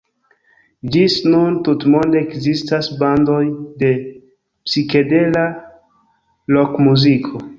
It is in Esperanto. Ĝis nun tutmonde ekzistas bandoj de psikedela rokmuziko.